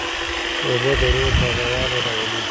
اوبه د روح تازهوالی راولي.